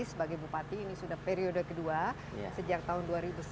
sebagai bupati ini sudah periode kedua sejak tahun dua ribu sembilan belas